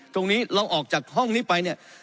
ตรงนี้เราออกจากห้องนี้ไปเนี่ย